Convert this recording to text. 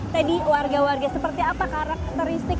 teddy warga warga seperti apa karakteristik